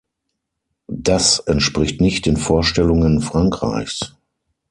Das entspricht nicht den Vorstellungen Frankreichs.